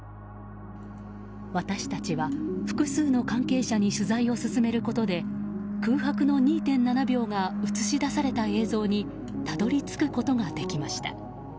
私たちは複数の関係者に取材を進めることで空白の２．７秒が映し出された映像にたどり着くことができました。